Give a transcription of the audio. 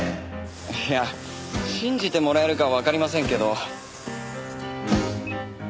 いや信じてもらえるかわかりませんけど。